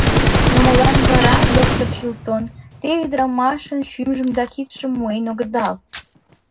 Но молан вара, доктыр Чилтон, те ӱдырамашын шӱмжым да кидшым муын огыдал?